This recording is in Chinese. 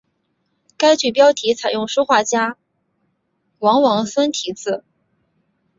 该剧标题采用书画家王王孙题字。